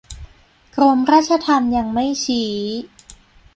กรมราชทัณฑ์ยังไม่ชี้